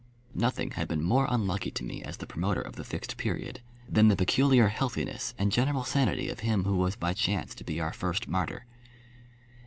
Nothing had been more unlucky to me as the promoter of the Fixed Period than the peculiar healthiness and general sanity of him who was by chance to be our first martyr.